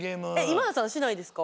今田さんしないですか？